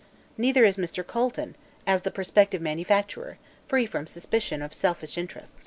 Neither is Mr. Colton, as the prospective manufacturer, free from suspicion of selfish interest.